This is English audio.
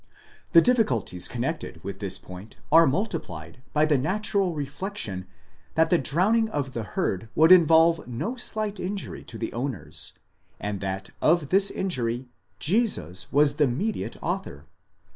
The difficulties connected with this point are multiplied by the natural reflection that the drowning of the herd would involve no slight injury to the owners, and that of this injury Jesus was the mediate author.